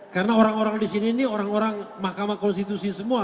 karena orang orang di sini ini orang orang mahkamah konstitusi semua